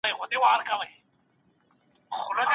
په هر حالت کي مثبت فکر کول اړین دي.